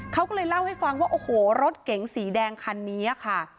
เขาก็เลยเล่าให้ฟังว่าโอ้โหรถเก๋งสีแดงคันนี้ค่ะ